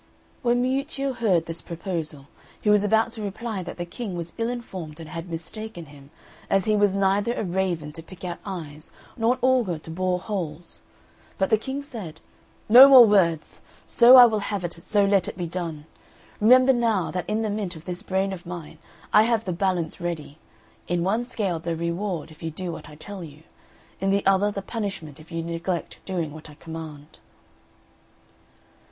When Miuccio heard this proposal he was about to reply that the King was ill informed and had mistaken him, as he was neither a raven to pick out eyes nor an auger to bore holes; but the King said, "No more words so I will have it, so let it be done! Remember now, that in the mint of this brain of mine I have the balance ready; in one scale the reward, if you do what I tell you; in the other the punishment, if you neglect doing what I command."